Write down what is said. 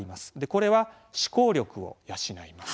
これは思考力を養います。